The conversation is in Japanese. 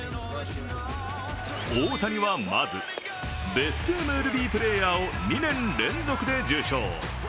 大谷はまず、ベストＭＬＢプレーヤーを２年連続で受賞。